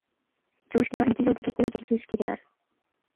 常識は日常的・行為的知識である。